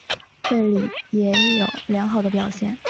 贝里也有良好的表现。